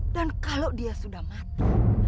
dan kalau dia sudah mati